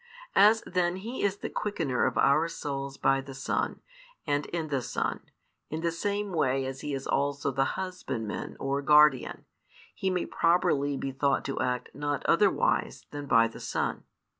As then He is the Quickener of our souls by the Son, and in the Son, in the same way as He is also the Husbandman or Guardian, He may properly be thought to act not otherwise than by the Son.